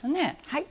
はい。